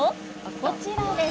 こちらです。